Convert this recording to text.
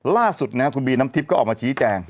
ล่าสุดนะครับคุณบีน้ำทิพย์ก็ออกมาชี้แจง